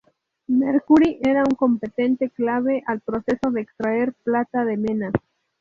Mercury era un componente clave al proceso de extraer plata de mena.